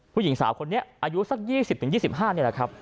ผู้หญิงสาวคนนี้อายุสัก๒๐๒๕นี่แหละครับ